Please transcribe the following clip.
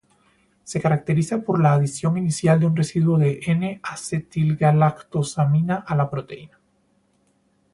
Se caracteriza por la adición inicial de un residuo de N-acetilgalactosamina a la proteína.